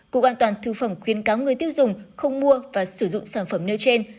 cục an toàn thực phẩm khuyến cáo người tiêu dùng không mua và sử dụng sản phẩm nêu trên